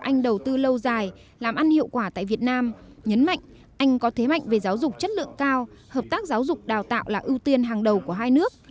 nhấn mạnh anh có thế mạnh về giáo dục chất lượng cao hợp tác giáo dục đào tạo là ưu tiên hàng đầu của hai nước